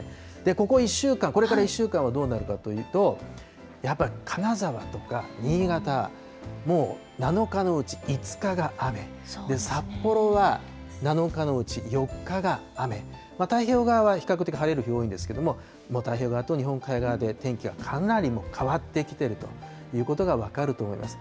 ここ１週間、これから１週間はどうなるかというと、やっぱり金沢とか新潟、もう７日のうち５日が雨、札幌は７日のうち４日が雨、太平洋側は比較的晴れの日、多いんですけれども、もう太平洋側と日本海側で、天気はかなり変わってきてるということが分かると思います。